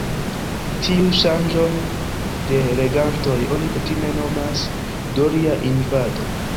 Tiun ŝanĝon de regantoj oni kutime nomas «doria invado».